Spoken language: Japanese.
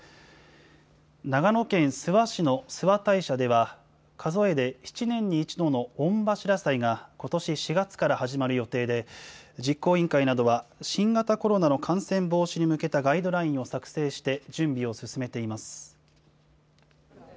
長野県諏訪市の諏訪大社では、数えで７年に１度の御柱祭がことし４月から始まる予定で、実行委員会などは、新型コロナの感染防止に向けたガイドラインを作成して準備を進めています。